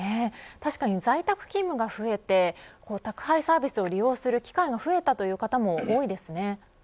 確かに在宅勤務が増えて宅配サービスを利用する機会が増えた方も多いですね。